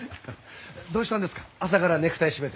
どうしたんですか朝からネクタイ締めて。